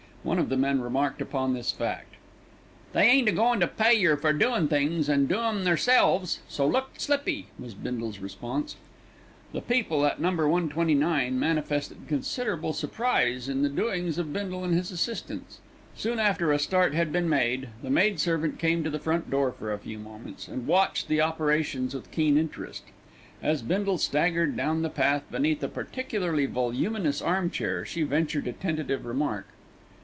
One of the men remarked upon this fact. "They ain't a goin' to pay you for doin' things and do 'em theirselves, so look slippy," was Bindle's response. The people at No. 129 manifested considerable surprise in the doings of Bindle and his assistants. Soon after a start had been made, the maidservant came to the front door for a few moments, and watched the operations with keen interest. As Bindle staggered down the path beneath a particularly voluminous armchair she ventured a tentative remark.